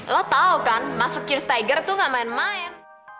lo tau kan masuk ke stigger tuh gak main main